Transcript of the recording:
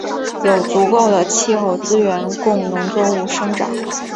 有足够的气候资源供农作物生长。